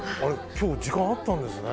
今日時間あったんですね。